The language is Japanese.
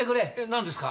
何ですか？